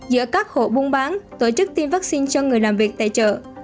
giữa các hộ buôn bán tổ chức tiêm vaccine cho người làm việc tại chợ